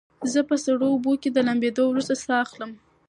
زه په سړو اوبو کې د لامبېدو وروسته ساه اخلم.